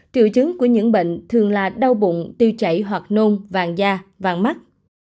triệu chứng của những bệnh thường là đau bụng tiêu chảy hoặc nôn vàng da vàng mắt